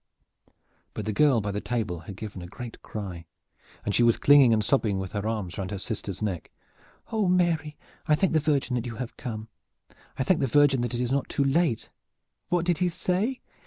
But the girl by the table had given a great cry, and she was clinging and sobbing with her arms round her sister's neck. "Oh, Mary, I thank the Virgin that you have come! I thank the Virgin that it is not too late! What did he say?